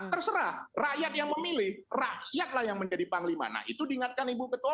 terserah rakyat yang memilih rakyatlah yang menjadi panglima nah itu diingatkan ibu ketua